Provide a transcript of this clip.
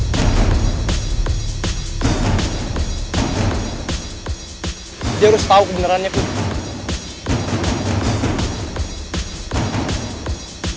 tapi dia ada yang n contraten menunjukin